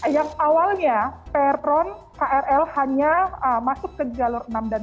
yang awalnya peron krl hanya masuk ke jalur enam dan dua